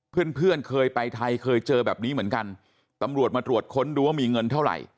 เพื่อนเพื่อนเคยไปไทยเคยเจอแบบนี้เหมือนกันตำรวจมาตรวจค้นดูว่ามีเงินเท่าไหร่